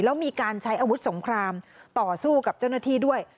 แล้วมีการใช้อาวุธสงครามต่อสู้กับเจ้าหน้าที่ด้วย